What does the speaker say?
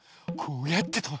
こうやってと。